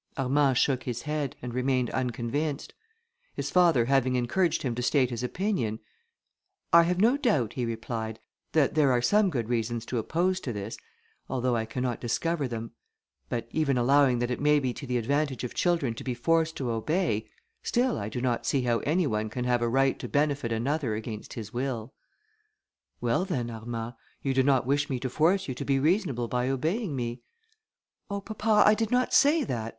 Armand shook his head, and remained unconvinced; his father having encouraged him to state his opinion, "I have no doubt," he replied, "that there are some good reasons to oppose to this, although I cannot discover them; but even allowing that it may be to the advantage of children to be forced to obey, still I do not see how any one can have a right to benefit another against his will." "Well, then, Armand, you do not wish me to force you to be reasonable by obeying me." "Oh, papa, I did not say that, but...."